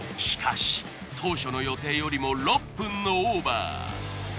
しかし当初の予定よりも６分のオーバー。